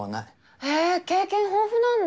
へえ経験豊富なんだ。